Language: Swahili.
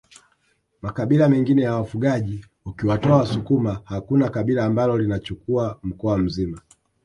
Makabila mengine ya wafugaji ukiwatoa wasukuma hakuna kabila ambalo linachukua mkoa mzima